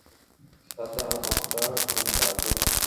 সাথে আরো পাঁচটা গুন্ডা আছে।